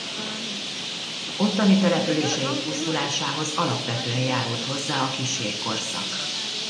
Ottani településeik pusztulásához alapvetően járult hozzá a kis jégkorszak.